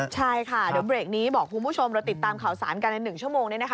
ใช่ค่ะเดี๋ยวเบรกนี้บอกคุณผู้ชมเราติดตามข่าวสารกันใน๑ชั่วโมงนี้นะคะ